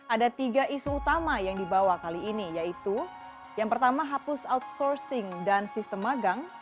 ada tiga isu utama yang dibawa kali ini yaitu yang pertama hapus outsourcing dan sistem magang